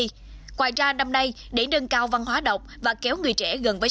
ngoài ra năm nay để nâng cao văn hóa đọc và kéo người trẻ gần với